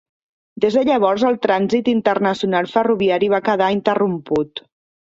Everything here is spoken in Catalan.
Des de llavors el trànsit internacional ferroviari va quedar interromput.